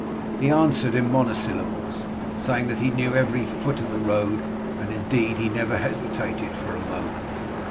He answered in monosyllables, saying that he knew every foot of the road, and indeed he never hesitated for a moment.